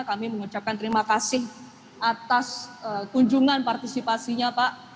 kami mengucapkan terima kasih atas kunjungan partisipasinya pak